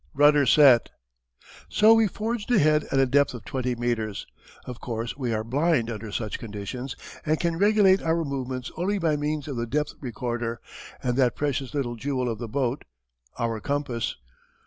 "Rudder set!" So we forged ahead at a depth of twenty meters. Of course we are "blind" under such conditions and can regulate our movements only by means of the depth recorder and that precious little jewel of the boat, our compass.